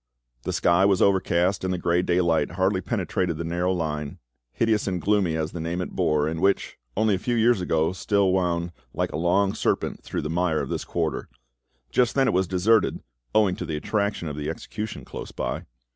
The sky was overcast, and the grey daylight hardly penetrated the narrow lane, hideous and gloomy as the name it bore, and which; only a few years ago, still wound like a long serpent through the mire of this quarter. Just then it was deserted, owing to the attraction of the execution close by.